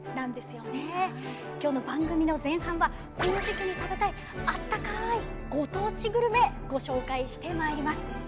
今日の番組の前半はこの時期に食べたいあったかいご当地グルメご紹介してまいります。